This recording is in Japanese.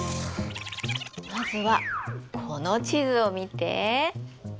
まずはこの地図を見て。